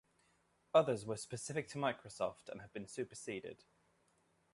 Others were specific to Microsoft and have been superseded.